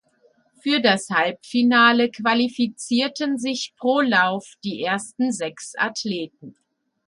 Für das Halbfinale qualifizierten sich pro Lauf die ersten sechs Athleten.